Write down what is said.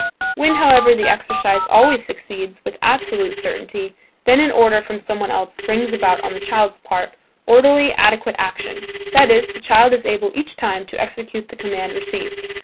When, however, the exercise always succeeds, with absolute certainty, then an order from someone else brings about on the child's part, orderly adequate action; that is, the child is able each time to execute the command received.